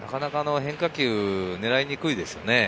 変化球、狙いにくいですよね。